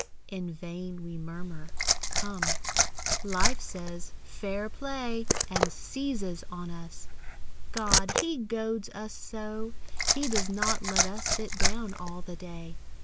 In vain we murmur; "Come," Life says, "Fair play!" And seizes on us. God! he goads us so! He does not let us sit down all the day.